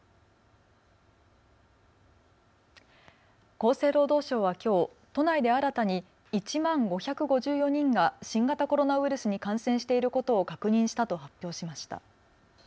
厚生労働省はきょう都内で新たに１万５５４人が新型コロナウイルスに感染していることを確認したと発表しました。